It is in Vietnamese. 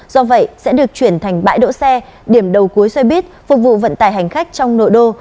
do vậy sẽ được chuyển thành bãi đỗ xe điểm đầu cuối xe buýt phục vụ vận tải hành khách trong nội đô